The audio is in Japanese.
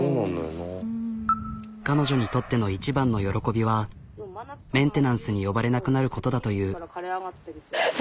彼女にとっての一番の喜びはメンテナンスに呼ばれなくなることだという。